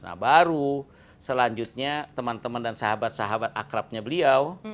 nah baru selanjutnya teman teman dan sahabat sahabat akrabnya beliau